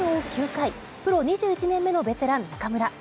９回、プロ２１年目のベテラン、中村。